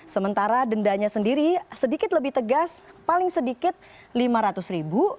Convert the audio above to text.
sementara dendanya sendiri sedikit lebih tegas paling sedikit lima ratus ribu